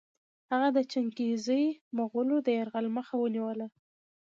هغه د چنګېزي مغولو د یرغل مخه ونیوله.